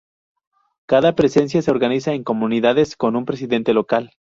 Cada presencia se organiza en comunidades con un presidente local.